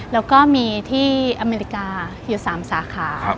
แล้วก็มีที่อเมริกาอยู่๓สาขา